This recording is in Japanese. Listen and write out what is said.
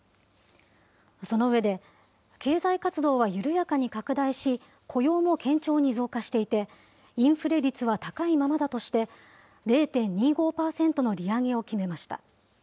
その上で、経済活動は緩やかに拡大し、雇用も堅調に増加していて、インフレ率は高いままだとして、０．２５％の利上げを決めました。